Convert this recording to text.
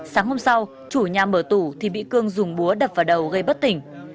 sáng hôm sau chủ nhà mở tủ thì bị cương dùng búa đập vào đầu gây bất tỉnh